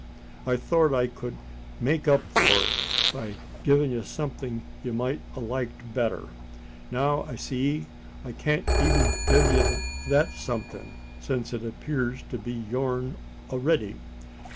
I thort I kud a made up for it, by gieing ye somethin' ye mout a liked better. Now I see I can't even gi' ye that somethin' since it appears to be yourn a'ready.